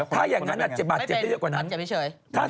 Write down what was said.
ถ้าอย่างนั้นอาจจะบาดเจ็บเฉยกว่านั้น